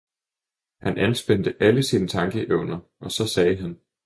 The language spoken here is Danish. Han anspændte alle sine tænkeevner og så sagde han.